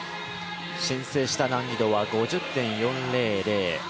申請した難易度は５０．４００。